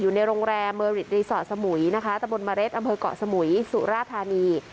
อยู่ในโรงแรมเมอริดรีสอร์ทสมุยนะคะตะบนเมล็ดอำเภอกเกาะสมุยสุราธานี